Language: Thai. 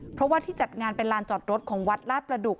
เพราะว่าที่จัดงานเป็นลานจอดรถของวัดลาดประดุก